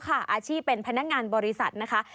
อาชีพเป็นพนักงานบริษัทนะคะ